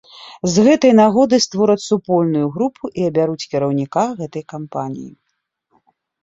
З гэтай нагоды створаць супольную групу і абяруць кіраўніка гэтай кампаніі.